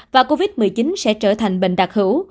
và covid một mươi chín sẽ trở thành bệnh đặc hữu